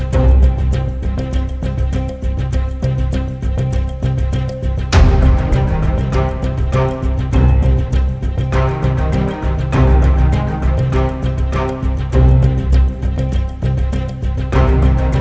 โปรดติดตามตอนต่อไป